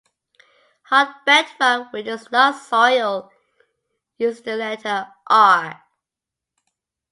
Hard bedrock, which is not soil, uses the letter R.